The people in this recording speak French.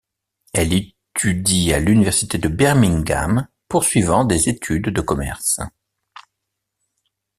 Elle étudie à l'université de Birmingham poursuivant des études de commerce.